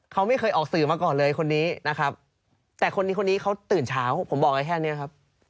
เขาไม่เคยออกสื่อมาก่อนเลยคนนี้นะครับแต่คนนี้คนนี้เขาตื่นเช้าผมบอกไว้แค่นี้ครับ